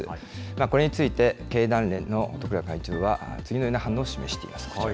これについて、経団連の十倉会長は、次のような反応を示しています。